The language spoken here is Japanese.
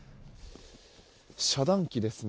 遮断機ですね。